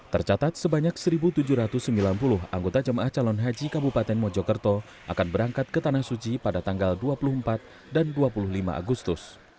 tercatat sebanyak satu tujuh ratus sembilan puluh anggota jemaah calon haji kabupaten mojokerto akan berangkat ke tanah suci pada tanggal dua puluh empat dan dua puluh lima agustus